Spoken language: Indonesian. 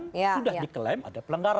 sudah diklaim ada pelanggaran